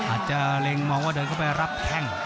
อาจจะเล็งมองว่าเดินเข้าไปรับแข้ง